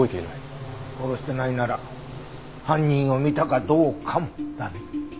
殺してないなら犯人を見たかどうかもだね。